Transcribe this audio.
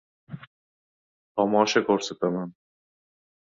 — Tomosha ko‘rsataman.